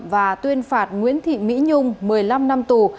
và tuyên phạt nguyễn thị mỹ nhung một mươi năm năm tù